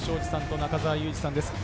中澤佑二さんです。